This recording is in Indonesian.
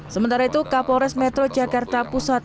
sementara itu kapolres metro jakarta pusat